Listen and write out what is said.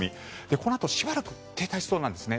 このあとしばらく停滞しそうなんですね。